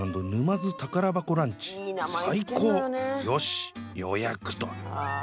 最高！よし予約と